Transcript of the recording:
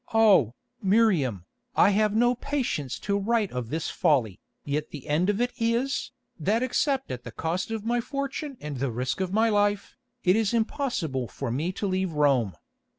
Oh, Miriam, I have no patience to write of this folly, yet the end of it is, that except at the cost of my fortune and the risk of my life, it is impossible for me to leave Rome.